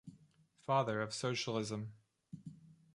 Father of Socialism.